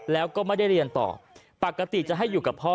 แล้วก็ไม่ได้เรียนต่อปกติจะให้อยู่กับพ่อ